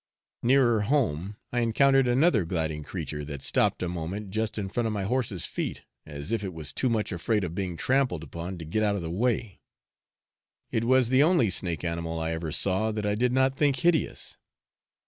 Nearer home, I encountered another gliding creature, that stopped a moment just in front of my horse's feet, as if it was too much afraid of being trampled upon to get out of the way; it was the only snake animal I ever saw that I did not think hideous.